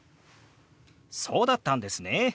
「そうだったんですね」。